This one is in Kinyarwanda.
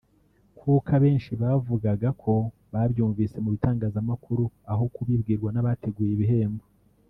kuko abenshi bavugaga ko babyumvise mu bitangazamakuru aho kubibwirwa n’abateguye ibihembo